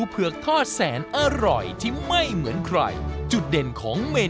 พี่สอบเลยเร็ว